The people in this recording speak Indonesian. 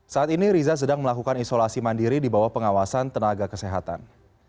saat ini riza sedang melakukan isolasi mandiri di bawah pengawasan tenaga kesehatan